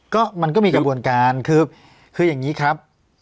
ก็มันก็มีกระบวนการคืออย่างนี้ครับ